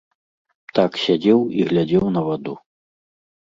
Так сядзеў і глядзеў на ваду.